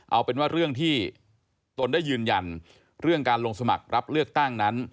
เอาเป็นว่าเรื่องที่ตนได้ยืนยันเรื่องการลงสมัครรับเลือกตั้งนั้น